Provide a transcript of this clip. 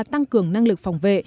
tăng cường năng lực phòng vệ